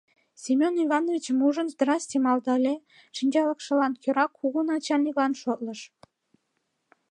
Семён Ивановичым ужын, «здрасте» малдале, шинчалыкшылан кӧра кугу начальниклан шотлыш.